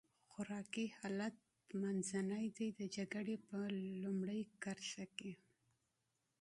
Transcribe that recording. خوراکي حالت منځنی دی، د جګړې په لومړۍ کرښه کې.